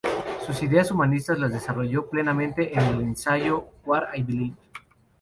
Sus ideas humanistas las desarrolló plenamente en el ensayo "What I Believe".